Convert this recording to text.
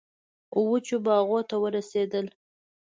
وچو باغونو ته ورسېدل.